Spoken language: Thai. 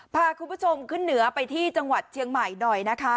พาคุณผู้ชมขึ้นเหนือไปที่จังหวัดเชียงใหม่หน่อยนะคะ